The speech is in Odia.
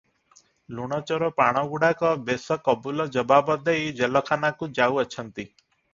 ଲୁଣ ଚୋର ପାଣଗୁଡାକ ବେଶ କବୁଲ ଜବାବ ଦେଇ ଜେଲଖାନାକୁ ଯାଉଅଛନ୍ତି ।